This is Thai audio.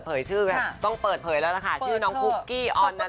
แบบชื่นทางด้วยกันที่อาจจะแบบชัดกัน